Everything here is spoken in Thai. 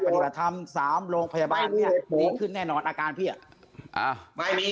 ไปปฏิบัติธรรม๓โรงพยาบาลนี้นี้ขึ้นแน่นอนอาการพี่อ่ะไม่มี